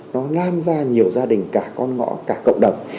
nó lan ra nhiều gia đình cả con ngõ cả cộng đồng